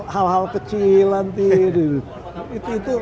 hal hal kecil nanti